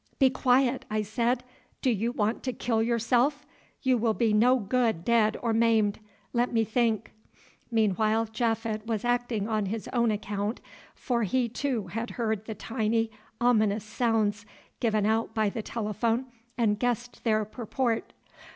"Be quiet," I said; "do you want to kill yourself? You will be no good dead or maimed. Let me think." Meanwhile Japhet was acting on his own account, for he, too, had heard the tiny, ominous sounds given out by the telephone and guessed their purport.